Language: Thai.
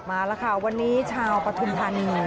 มาแล้วค่ะวันนี้ชาวปฐุมธานี